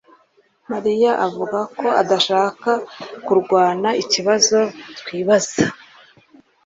mariya avuga ko adashaka kurwana ikibazo twibaza